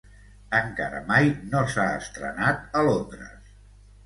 Encara mai no s'ha estrenat a Londres.